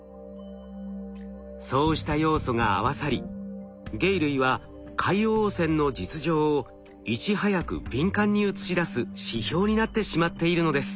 そうした要素が合わさり鯨類は海洋汚染の実情をいち早く敏感に映し出す指標になってしまっているのです。